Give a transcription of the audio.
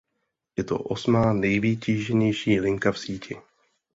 Je to osmá nejvytíženější linka v síti.